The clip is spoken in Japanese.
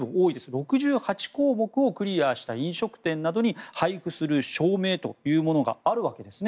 ６８項目をクリアした飲食店などに配布する証明というのがあるわけですね。